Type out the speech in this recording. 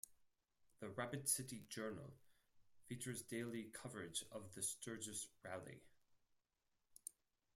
The "Rapid City Journal" features daily coverage of the Sturgis Rally.